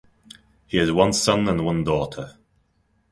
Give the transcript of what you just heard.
He has one son and one daughter.